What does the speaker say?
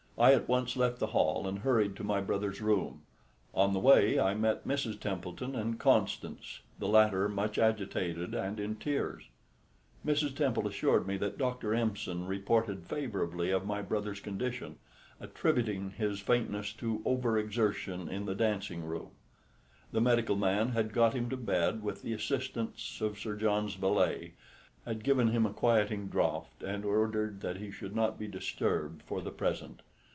I at once left the hall and hurried to my brother's room. On the way I met Mrs. Temple and Constance, the latter much agitated and in tears. Mrs. Temple assured me that Dr. Empson reported favourably of my brother's condition, attributing his faintness to over exertion in the dancing room. The medical man had got him to bed with the assistance of Sir John's valet, had given him a quieting draught, and ordered that he should not be disturbed for the present.